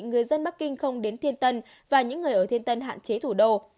người dân bắc kinh không đến thiên tân và những người ở thiên tân hạn chế thủ đô